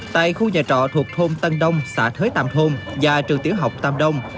tại khu nhà trọ thuộc thôn tân đông xã thới tam thôn và trường tiểu học tàm đông